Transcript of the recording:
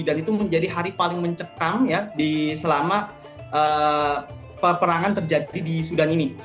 dan itu menjadi hari paling mencekang ya selama peperangan terjadi di sudan ini